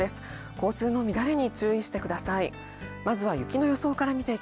交通の乱れに注意してください。